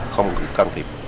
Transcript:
không cần can thiệp